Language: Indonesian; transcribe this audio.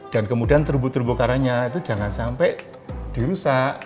dan kemudian terbuk terbuk karangnya itu jangan sampai dirusak